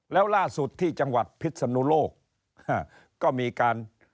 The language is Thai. แล้วล่าสุดที่จังหวัดพิษนุโลกก็มีการ